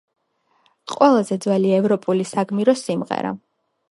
ყველაზე ძველი ევროპული საგმირო სიმღერა.